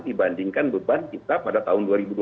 dibandingkan beban kita pada tahun